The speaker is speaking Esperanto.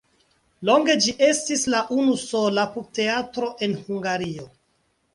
Longe ĝi estis la unusola pupteatro en Hungario.